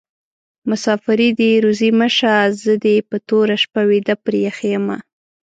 مسافري دي روزي مشه: زه دي په توره شپه ويده پریښي يمه